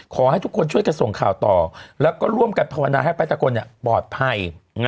ขอให้ทุกคนช่วยกันส่งข่าวต่อแล้วก็ร่วมกันภาวนาให้พระตะกลปลอดภัย